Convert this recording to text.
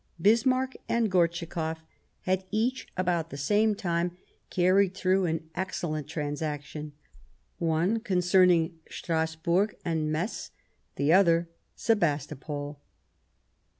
Bismarck and Gortschakoff had each, 144 . The War of 1870 about the same time, carried through an excellent transaction, one concerning Strasburg and Metz, the other Sebastopol.